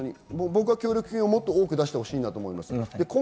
協力金をもっと多く出してほしいと思います。